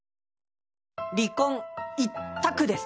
離婚一択です。